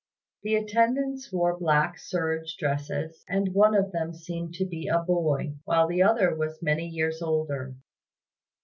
The attendants wore black serge dresses, and one of them seemed to be a boy, while the other was many years older.